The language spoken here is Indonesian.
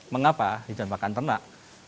mengapa hijauan pakan ternak